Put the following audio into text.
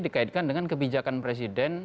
dikaitkan dengan kebijakan presiden